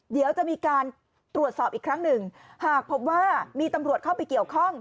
เดี๋ยวจะมีการตรวจสอบอีกครั้งหนึ่งหากพบว่ามีตำรวจเข้าไปเกี่ยวข้อง